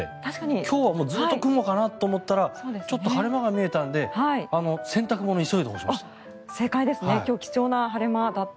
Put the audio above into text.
今日はずっと雲かなと思ったらちょっと晴れ間が見えたので洗濯物を急いで干しました。